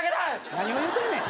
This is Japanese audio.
何を言うてんねん。